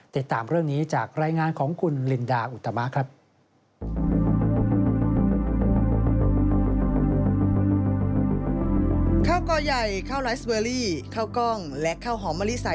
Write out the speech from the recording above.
ติดตามเรื่องนี้จากรายงานของคุณลินดาอุตมะครับ